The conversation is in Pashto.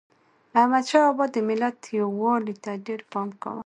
احمدشاه بابا د ملت یووالي ته ډېر پام کاوه.